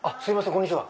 こんにちは。